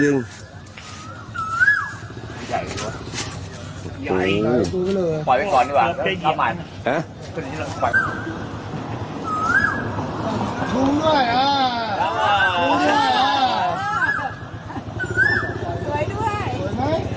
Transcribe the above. เอาไงสวยเอาเลย